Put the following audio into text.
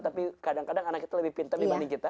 tapi kadang kadang anak kita lebih pintar dibanding kita